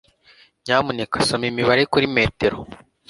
Nyamuneka soma imibare kuri metero.